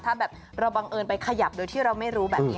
ถ้าแบบเราบังเอิญไปขยับโดยที่เราไม่รู้แบบนี้